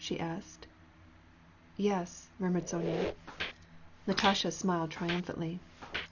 she asked. " Yes," murmured Sonya. Natasha smiled triumphantly.